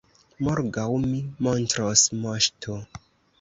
Morgaŭ mi montros, moŝto!